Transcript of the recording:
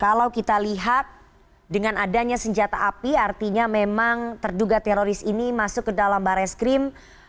kalau kita lihat dengan adanya senjata api artinya memang terduga teroris ini masuk ke dalam barreskrim